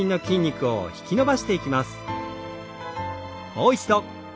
もう一度。